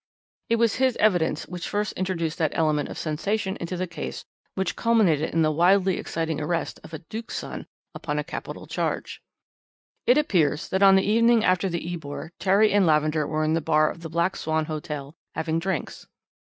It was his evidence which first introduced that element of sensation into the case which culminated in the wildly exciting arrest of a Duke's son upon a capital charge. "It appears that on the evening after the Ebor, Terry and Lavender were in the bar of the Black Swan Hotel having drinks.